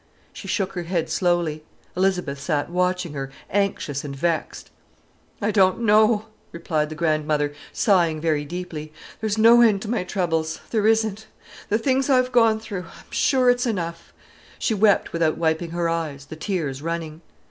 —she shook her head slowly. Elizabeth sat watching her, anxious and vexed. "I don't know," replied the grandmother, sighing very deeply. "There's no end to my troubles, there isn't. The things I've gone through, I'm sure it's enough——!" She wept without wiping her eyes, the tears running.